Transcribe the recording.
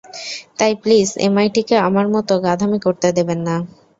তাই প্লিজ এমআইটিকে আমার মতো গাধামি করতে দেবেন না।